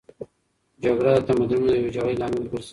جګړه د تمدنونو د ویجاړۍ لامل ګرځي.